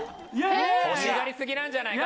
欲しがりすぎなんじゃないか？